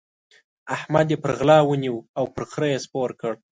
احمد يې پر غلا ونيو او پر خره يې سپور کړ.